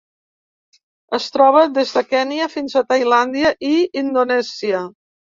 Es troba des de Kenya fins a Tailàndia i Indonèsia.